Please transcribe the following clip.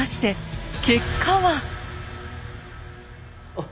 あっ。